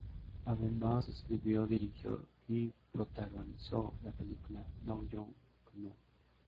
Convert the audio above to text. Además, escribió, dirigió y protagonizó la película "Now You Know".